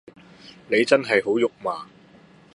你真係好肉麻